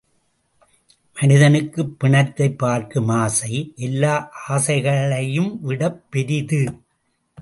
மனிதனுக்குப் பிணத்தைப் பார்க்கும் ஆசை, எல்லா ஆசைகளையும் விடப் பெரிது.